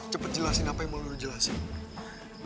cepet jelasin apa yang mau lu jelasin